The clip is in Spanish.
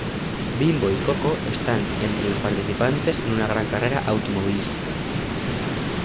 Bimbo y Koko están entre los participantes en una gran carrera automovilística.